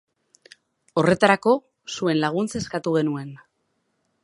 Horretarako, zuen laguntza eskatu genuen.